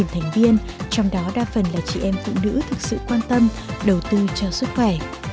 một mươi thành viên trong đó đa phần là chị em phụ nữ thực sự quan tâm đầu tư cho sức khỏe